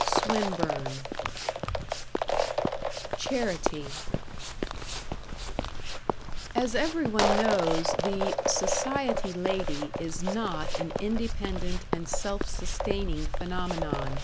Swinburne. #Charity# As everyone knows, the "society lady" is not an independent and self sustaining phenomenon.